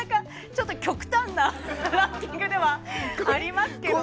ちょっと極端なランキングではありますけどね。